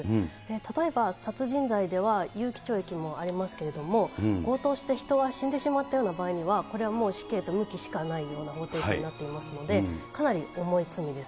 例えば殺人罪では有期懲役もありますけれども、強盗して人が死んでしまったような場合には、これはもう死刑と無期しかないような法定になってますので、かなり重い罪です。